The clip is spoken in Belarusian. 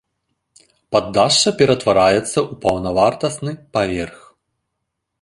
Паддашша ператвараецца ў паўнавартасны паверх.